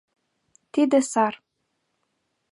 Тиде сар